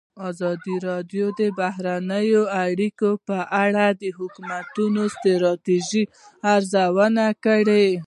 ازادي راډیو د بهرنۍ اړیکې په اړه د حکومتي ستراتیژۍ ارزونه کړې.